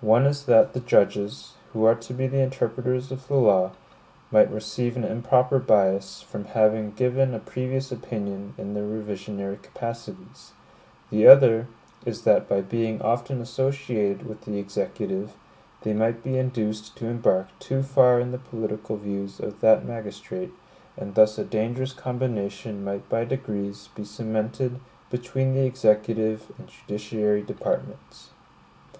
One is that the judges, who are to be the interpreters of the law, might receive an improper bias, from having given a previous opinion in their revisionary capacities; the other is that by being often associated with the Executive, they might be induced to embark too far in the political views of that magistrate, and thus a dangerous combination might by degrees be cemented between the executive and judiciary departments.